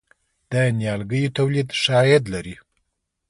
د نیالګیو تولید ښه عاید لري؟